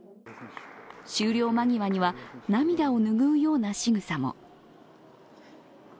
終了間際には涙を拭うようなしぐさも。